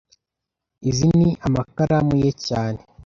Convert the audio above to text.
Izi ni amakaramu ye cyane